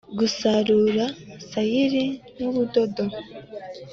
Gusarura sayiri n ubudodo